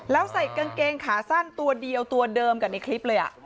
แล้วใส่กางเกงขาสั้นตัวเดียวตัวเดิมกับในคลิปเลย